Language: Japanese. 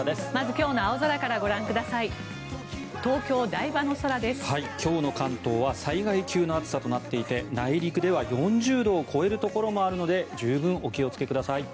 今日の関東は災害級の暑さとなっていて内陸では４０度を超えるところもあるので十分お気をつけください。